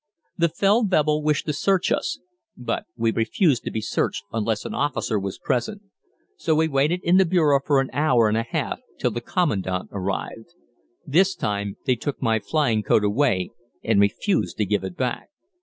The Feldwebel wished to search us, but we refused to be searched unless an officer was present; so we waited in the bureau for an hour and a half till the Commandant arrived. This time they took my flying coat away and refused to give it back.